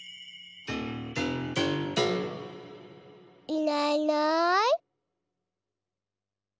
いないいない。